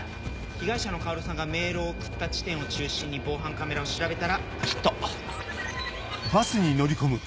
被害者の薫さんがメールを送った地点を中心に防犯カメラを調べたらヒット。